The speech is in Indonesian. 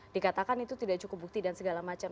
dikatakan itu tidak cukup bukti dan segala macam